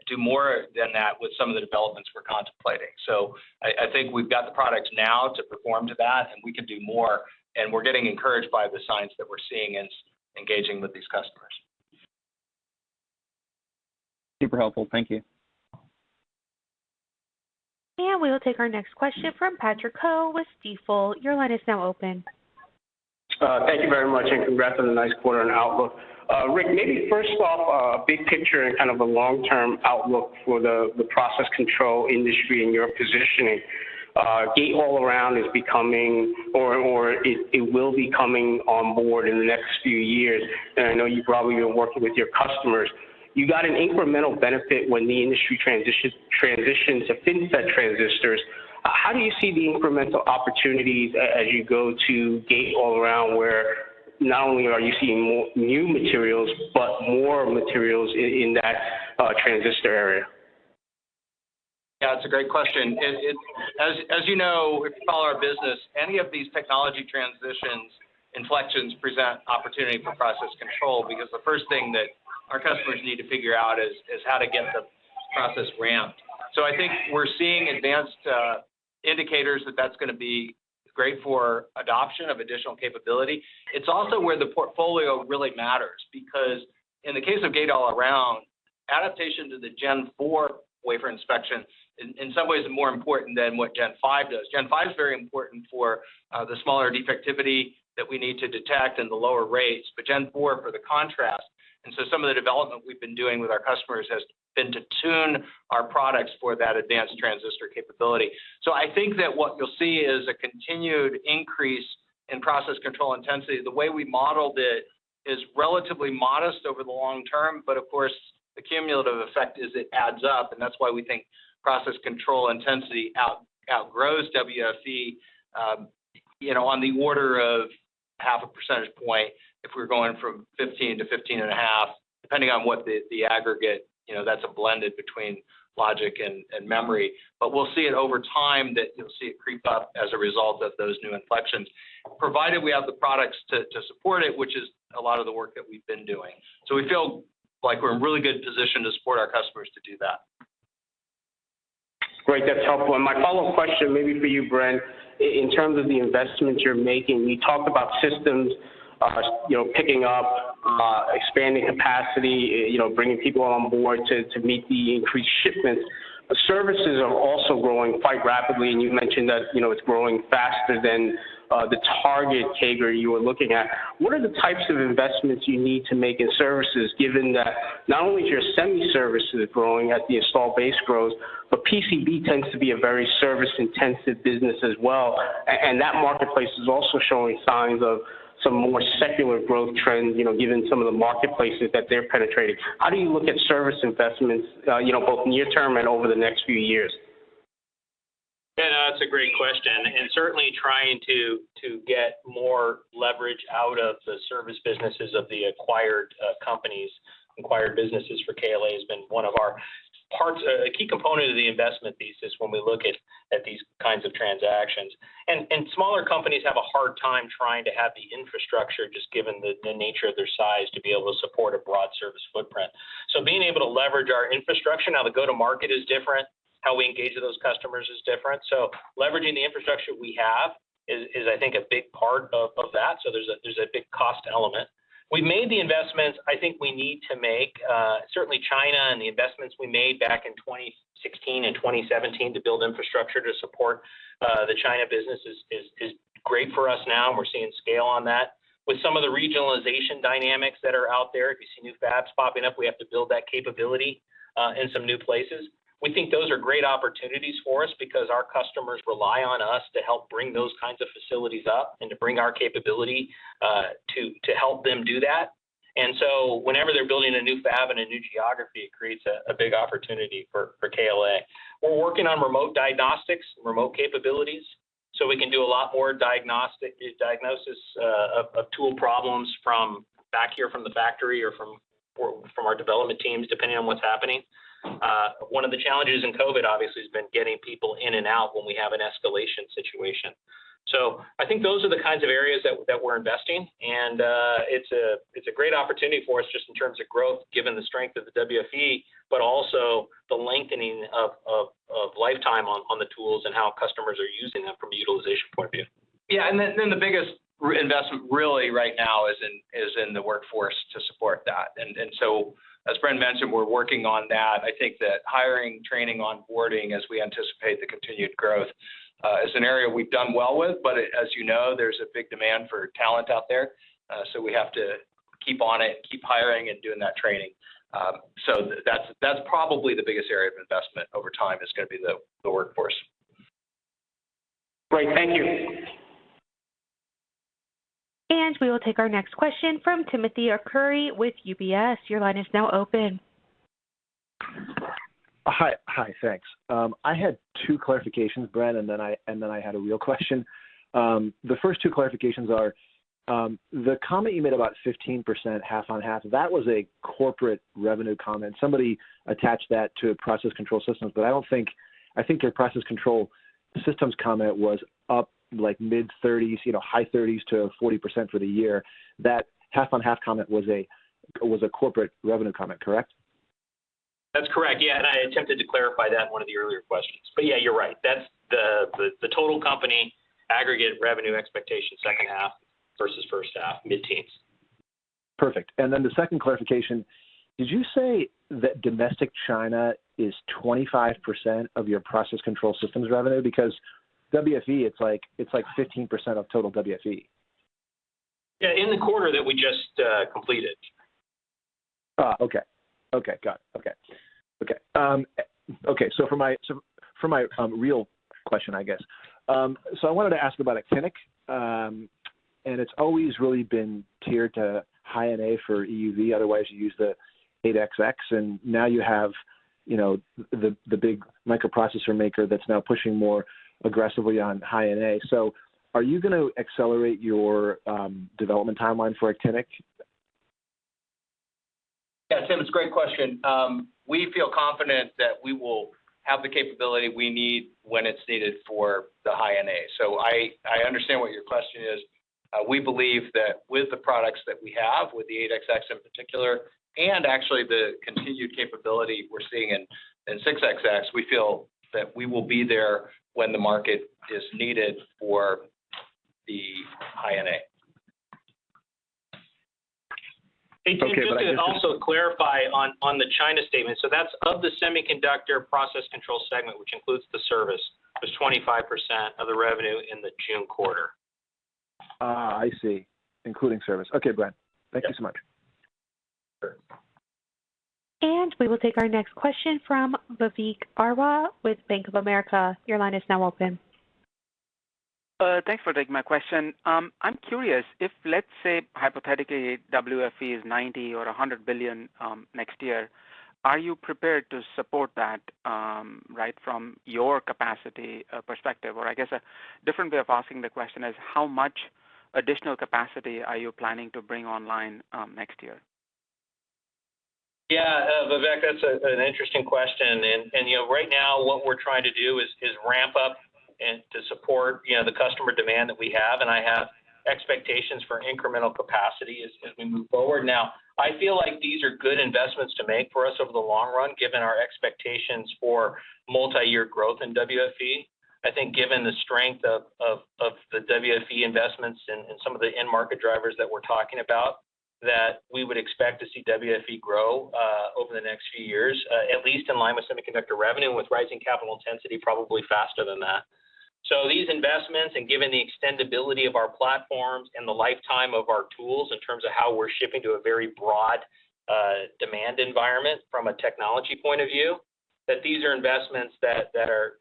D: do more than that with some of the developments we're contemplating. I think we've got the products now to perform to that, and we can do more, and we're getting encouraged by the signs that we're seeing in engaging with these customers.
J: Super helpful. Thank you.
A: We will take our next question from Patrick Ho with Stifel. Your line is now open.
K: Thank you very much, and congrats on a nice quarter and outlook. Rick, maybe first off, big picture and kind of the long-term outlook for the process control industry and your positioning. Gate all around is becoming, or it will be coming on board in the next few years. I know you probably are working with your customers. You got an incremental benefit when the industry transitions to FinFET transistors. How do you see the incremental opportunities as you go to gate all around, where not only are you seeing new materials, but more materials in that transistor area?
C: It's a great question. As you know, if you follow our business, any of these technology transitions inflections present opportunity for process control, because the first thing that our customers need to figure out is how to get the process ramped. I think we're seeing advanced indicators that that's going to be great for adoption of additional capability. It's also where the portfolio really matters, because in the case of Gate all around, adaptation to the Gen4 wafer inspection in some ways is more important than what Gen5 does. Gen5 is very important for the smaller defectivity that we need to detect and the lower rates, Gen4 for the contrast. Some of the development we've been doing with our customers has been to tune our products for that advanced transistor capability. I think that what you'll see is a continued increase in process control intensity. The way we modeled it is relatively modest over the long term. Of course, the cumulative effect is it adds up, and that's why we think process control intensity outgrows WFE on the order of 0.5 percentage point, if we're going from 15-15.5, depending on what the aggregate, that's a blended between logic and memory. We'll see it over time, that you'll see it creep up as a result of those new inflections, provided we have the products to support it, which is a lot of the work that we've been doing. We feel like we're in a really good position to support our customers to do that.
K: Great. That's helpful. My follow-up question, maybe for you, Brent, in terms of the investments you're making, we talked about systems picking up, expanding capacity, bringing people on board to meet the increased shipments. Services are also growing quite rapidly, and you've mentioned that it's growing faster than the target CAGR you are looking at. What are the types of investments you need to make in services, given that not only is your semi services growing as the install base grows, but PCB tends to be a very service intensive business as well. That marketplace is also showing signs of some more secular growth trends, given some of the marketplaces that they're penetrating. How do you look at service investments, both near term and over the next few years?
C: Yeah, that's a great question. Certainly trying to get more leverage out of the service businesses of the acquired companies, acquired businesses for KLA has been a key component of the investment thesis when we look at these kinds of transactions. Smaller companies have a hard time trying to have the infrastructure, just given the nature of their size, to be able to support a broad service footprint. Being able to leverage our infrastructure, now the go-to-market is different, how we engage with those customers is different. Leveraging the infrastructure we have is, I think, a big part of that. There's a big cost element. We made the investments I think we need to make. China and the investments we made back in 2016 and 2017 to build infrastructure to support the China business is great for us now, and we're seeing scale on that. With some of the regionalization dynamics that are out there, if you see new fabs popping up, we have to build that capability.
D: In some new places. We think those are great opportunities for us because our customers rely on us to help bring those kinds of facilities up and to bring our capability to help them do that. Whenever they're building a new fab in a new geography, it creates a big opportunity for KLA. We're working on remote diagnostics, remote capabilities, so we can do a lot more diagnosis of tool problems from back here from the factory or from our development teams, depending on what's happening. One of the challenges in COVID, obviously, has been getting people in and out when we have an escalation situation. I think those are the kinds of areas that we're investing in, and it's a great opportunity for us, just in terms of growth, given the strength of the WFE, but also the lengthening of lifetime on the tools and how customers are using them from a utilization point of view.
C: Yeah, the biggest investment really right now is in the workforce to support that. As Brent mentioned, we're working on that. I think that hiring, training, onboarding, as we anticipate the continued growth, is an area we've done well with. As you know, there's a big demand for talent out there, so we have to keep on it, keep hiring, and doing that training. That's probably the biggest area of investment over time, is going to be the workforce.
K: Great. Thank you.
A: We will take our next question from Timothy Arcuri with UBS. Your line is now open.
L: Hi. Thanks. I had two clarifications, Bren, then I had a real question. The first two clarifications are, the comment you made about 15%, half on half, that was a corporate revenue comment. Somebody attached that to process control systems, I think your process control systems comment was up mid-30s, high-30s - 40% for the year. That half-on-half comment was a corporate revenue comment, correct?
D: That's correct, yeah. I attempted to clarify that in one of the earlier questions. Yeah, you're right. That's the total company aggregate revenue expectation second half versus first half, mid-teens.
L: Perfect. Then the second clarification, did you say that domestic China is 25% of your process control systems revenue? Because WFE, it's like 15% of total WFE.
D: Yeah, in the quarter that we just completed.
L: Okay. Got it. Okay. For my real question, I guess. I wanted to ask about Actinic, and it's always really been tiered to High-NA for EUV, otherwise you use the 8XX, and now you have the big microprocessor maker that's now pushing more aggressively on High-NA. Are you going to accelerate your development timeline for Actinic?
C: Yeah, Tim, it's a great question. We feel confident that we will have the capability we need when it's needed for the High-NA. I understand what your question is. We believe that with the products that we have, with the 8XX in particular, and actually the continued capability we're seeing in 6XX, we feel that we will be there when the market is needed for the High-NA.
L: Okay. Good.
D: Hey, Timothy, just to also clarify on the China statement, that's of the Semiconductor Process Control Segment, which includes the service, was 25% of the revenue in the June quarter.
L: I see, including service. Okay, Bren. Thank you so much.
D: Sure.
A: We will take our next question from Vivek Arya with Bank of America. Your line is now open.
M: Thanks for taking my question. I'm curious if, let's say, hypothetically, WFE is $90 billion or $100 billion next year, are you prepared to support that right from your capacity perspective? I guess a different way of asking the question is, how much additional capacity are you planning to bring online next year?
D: Yeah. Vivek, that is an interesting question. Right now, what we are trying to do is ramp up and to support the customer demand that we have, and I have expectations for incremental capacity as we move forward. Now, I feel like these are good investments to make for us over the long run, given our expectations for multi-year growth in WFE. I think given the strength of the WFE investments and some of the end market drivers that we are talking about, that we would expect to see WFE grow over the next few years, at least in line with semiconductor revenue, and with rising capital intensity, probably faster than that. These investments, and given the extendibility of our platforms and the lifetime of our tools in terms of how we're shipping to a very broad demand environment from a technology point of view, that these are investments that are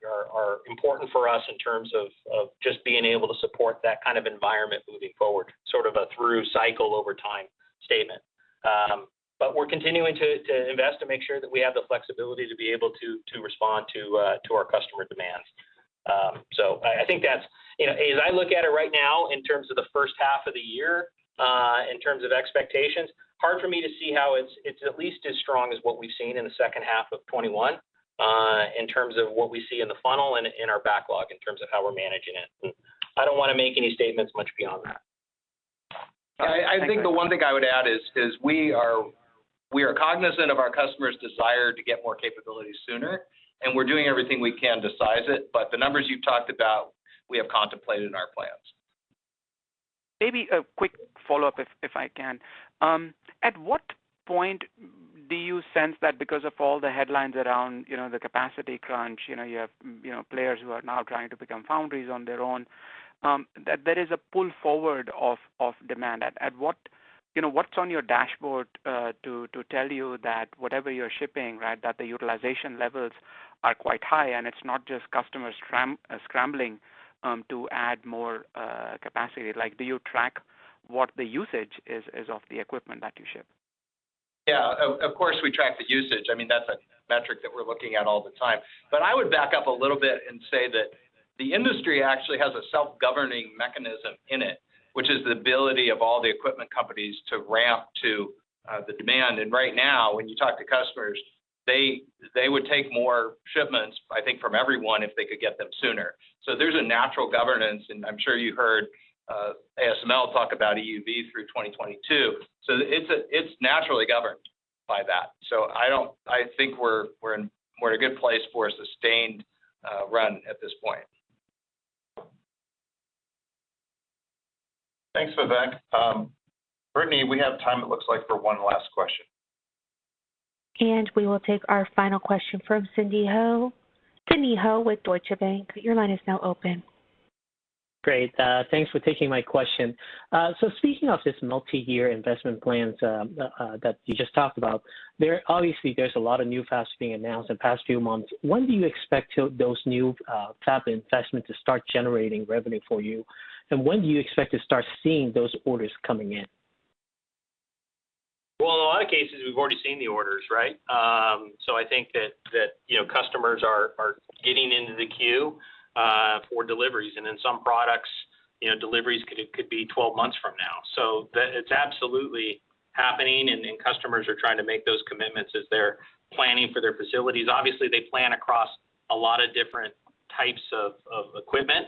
D: important for us in terms of just being able to support that kind of environment moving forward, sort of a through-cycle over time statement. We're continuing to invest to make sure that we have the flexibility to be able to respond to our customer demands. I think as I look at it right now in terms of the first half of the year, in terms of expectations, hard for me to see how it's at least as strong as what we've seen in the second half of 2021, in terms of what we see in the funnel and in our backlog, in terms of how we're managing it. I don't want to make any statements much beyond that.
C: I think the one thing I would add is, we are cognizant of our customers' desire to get more capability sooner, and we're doing everything we can to size it, but the numbers you've talked about, we have contemplated in our plans.
M: Maybe a quick follow-up, if I can. At what point do you sense that because of all the headlines around the capacity crunch, you have players who are now trying to become foundries on their own, that there is a pull forward of demand? What is on your dashboard to tell you that whatever you are shipping, that the utilization levels are quite high, and it is not just customers scrambling to add more capacity? Do you track what the usage is of the equipment that you ship?
D: Of course, we track the usage. That's a metric that we're looking at all the time. I would back up a little bit and say that the industry actually has a self-governing mechanism in it, which is the ability of all the equipment companies to ramp to the demand. Right now, when you talk to customers, they would take more shipments, I think, from everyone if they could get them sooner. There's a natural governance, and I'm sure you heard ASML talk about EUV through 2022. It's naturally governed by that. I think we're in a good place for a sustained run at this point.
B: Thanks, Vivek. Brittany, we have time, it looks like, for one last question.
A: We will take our final question from Sidney Ho. Sidney Ho with Deutsche Bank, your line is now open.
N: Great. Thanks for taking my question. Speaking of this multi-year investment plans that you just talked about, obviously, there's a lot of new facets being announced in the past few months. When do you expect those new fab investments to start generating revenue for you, and when do you expect to start seeing those orders coming in?
D: Well, in a lot of cases, we've already seen the orders, right? I think that customers are getting into the queue for deliveries. In some products, deliveries could be 12 months from now. It's absolutely happening, and customers are trying to make those commitments as they're planning for their facilities. Obviously, they plan across a lot of different types of equipment,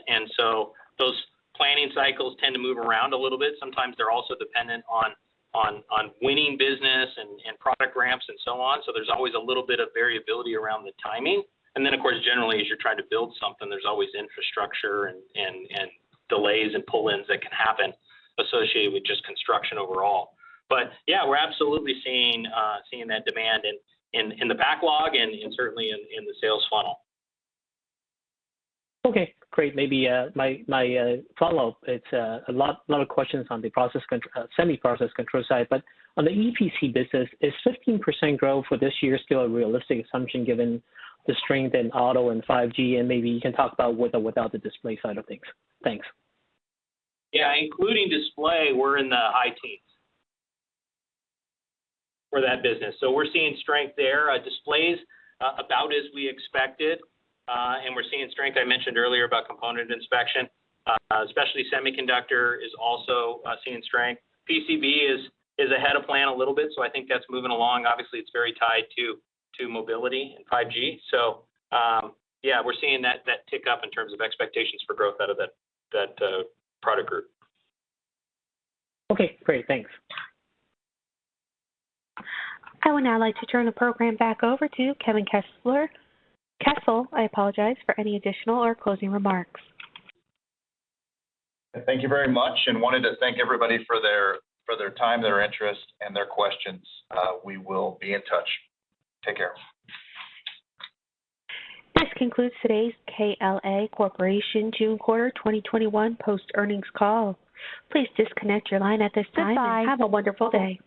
D: those planning cycles tend to move around a little bit. Sometimes they're also dependent on winning business, and product ramps, and so on. There's always a little bit of variability around the timing. Then, of course, generally, as you're trying to build something, there's always infrastructure, and delays, and pull-ins that can happen associated with just construction overall. Yeah, we're absolutely seeing that demand in the backlog and certainly in the sales funnel.
N: Okay, great. Maybe my follow-up, it's a lot of questions on the semi process control side. On the EPC business, is 15% growth for this year still a realistic assumption given the strength in auto and 5G? And maybe you can talk about with or without the display side of things. Thanks.
D: Including display, we're in the high teens for that business. We're seeing strength there. Displays, about as we expected, and we're seeing strength. I mentioned earlier about component inspection. Especially semiconductor is also seeing strength. PCB is ahead of plan a little bit, so I think that's moving along. Obviously, it's very tied to mobility and 5G. We're seeing that tick up in terms of expectations for growth out of that product group.
N: Okay, great. Thanks.
A: I would now like to turn the program back over to Kevin Kessler, Kessel, I apologize, for any additional or closing remarks.
B: Thank you very much, and wanted to thank everybody for their time, their interest, and their questions. We will be in touch. Take care.
A: This concludes today's KLA Corporation June quarter 2021 post-earnings call. Please disconnect your line at this time.
B: Goodbye.
A: Have a wonderful day.